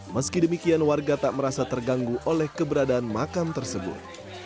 meski demikian warga tak merasa terganggu oleh keberadaan makam tersebut